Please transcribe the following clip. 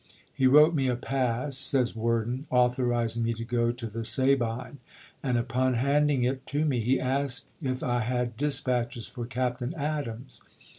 " He wrote me a pass," says Worden, " authorizing me to go to the Saline, and upon handing it to me he asked if I had dis patches for Captain Adams.